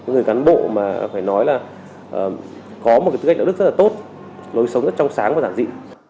người cán bộ mà phải nói là có một cái tư cách đạo đức rất là tốt lối sống rất trong sáng và giản dị